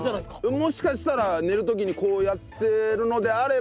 もしかしたら寝る時にこうやってるのであれば。